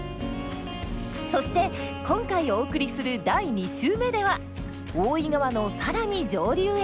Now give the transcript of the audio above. そして今回お送りする第２週目では大井川の更に上流へ！